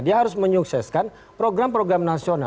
dia harus menyukseskan program program nasional